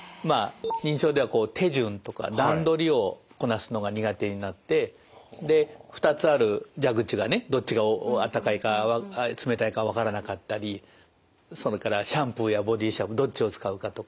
認知症では手順とか段取りをこなすのが苦手になってで２つある蛇口がねどっちがあったかいか冷たいかわからなかったりそれからシャンプーやボディーシャンプーどっちを使うかとか。